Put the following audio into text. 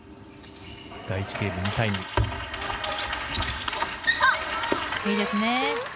第１ゲーム、いいですね。